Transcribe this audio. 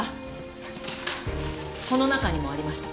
この中にもありました。